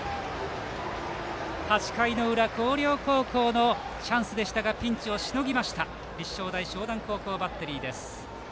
８回の裏広陵高校のチャンスでしたがピンチをしのぎました立正大淞南高校バッテリーです。